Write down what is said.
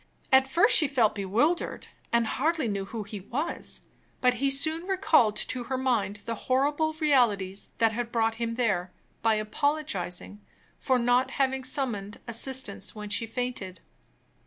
At first she felt bewildered, and hardly knew who he was; but he soon recalled to her mind the horrible realities that had brought him there, by apologizing for not having summoned assistance when she fainted.